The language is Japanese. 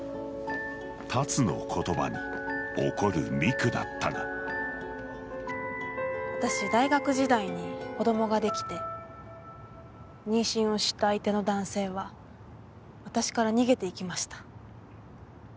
龍の言葉に怒る美久だったが私大学時代に子供ができて妊娠を知った相手の男性は私から逃げて行きました。